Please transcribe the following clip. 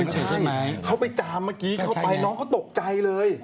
เหมือนมั่งเลย